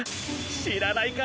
知らないか。